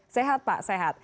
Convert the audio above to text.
sehat pak sehat